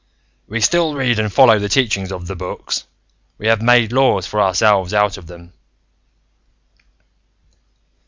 "We still read and follow the teachings of The Books: we have made laws for ourselves out of them."